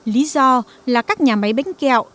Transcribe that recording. lý do là các nhà máy bánh kẹo